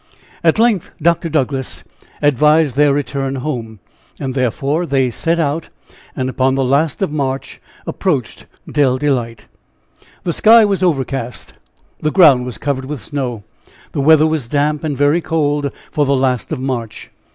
At length, Dr. Douglass advised their return home. And therefore they set out, and upon the last of March, approached Dell Delight. The sky was overcast, the ground was covered with snow, the weather was damp, and very cold for the last of March.